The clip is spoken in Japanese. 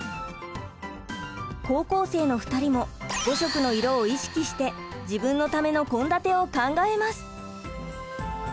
高校生の２人も五色の色を意識して自分のための献立を考えます！